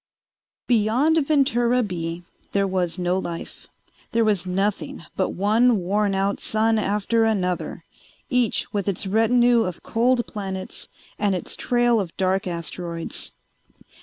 Beyond Ventura B there was no life; there was nothing but one worn out sun after another, each with its retinue of cold planets and its trail of dark asteroids.